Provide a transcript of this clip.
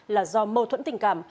là do mâu thuẫn tình cảm